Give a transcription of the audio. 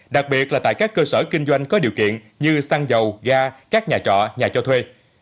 đặc biệt là tại các cơ sở kinh doanh có điều kiện như xăng dầu ga các nhà trọ nhà cho thuê